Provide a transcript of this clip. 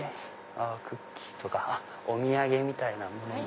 クッキーとかお土産みたいなものも。